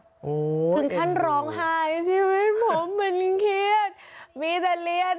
ถึงท่านร้องไหลชีวิตผมมันเครียด